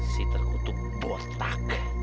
si terkutuk botak